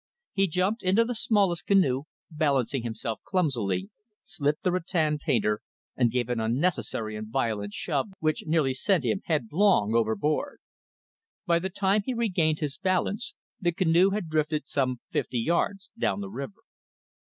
He jumped into the smallest canoe, balancing himself clumsily, slipped the rattan painter, and gave an unnecessary and violent shove, which nearly sent him headlong overboard. By the time he regained his balance the canoe had drifted some fifty yards down the river.